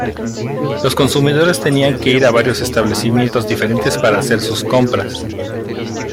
Los consumidores tenían que ir a varios establecimientos diferentes para hacer sus compras.